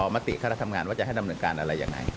มติธรรมงานว่าจะให้ดำเนินการอะไรอย่างไร